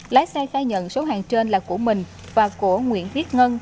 lái xe khai nhận số hàng trên là của mình và của nguyễn viết ngân